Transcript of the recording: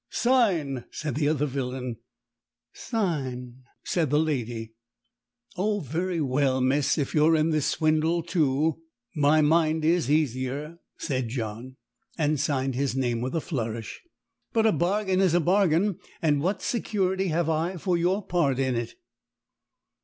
"Sign!" said the other villain. "Sign!" said the lady. "Oh, very well, miss. If you're in the swindle too, my mind is easier," said John, and signed his name with a flourish. "But a bargain is a bargain, and what security have I for your part in it?"